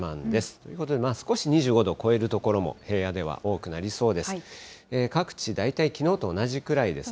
ということで少し２５度、超える所も平野では多くなりそうです。